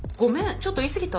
ちょっと言い過ぎた？